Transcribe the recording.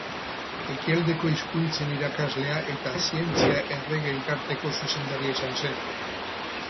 Ekialdeko hizkuntzen irakaslea eta Zientzia Errege Elkarteko zuzendaria izan zen.